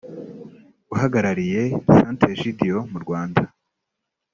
uhagarariye Sant’ Egidio mu Rwanda